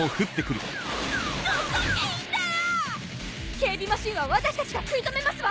警備マシンは私たちが食い止めますわ！